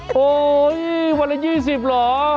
โหวันละ๒๐เหรอ